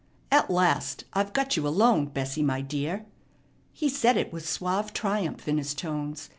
"At last I've got you alone, Bessie, my dear!" He said it with suave triumph in his tones.